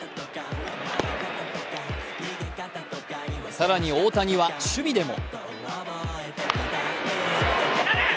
更に大谷は守備でも。